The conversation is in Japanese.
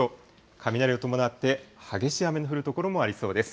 雷を伴って、激しい雨の降る所もありそうです。